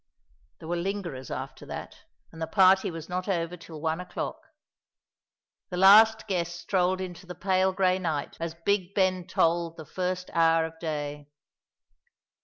There were lingerers after that, and the party was not over till one o'clock. The last guest strolled into the pale grey night as Big Ben tolled the first hour of day.